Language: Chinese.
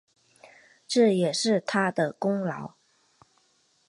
这也是他的功劳